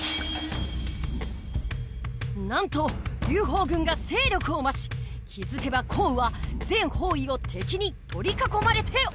なんと劉邦軍が勢力を増し気付けば項羽は全方位を敵に取り囲まれておりました。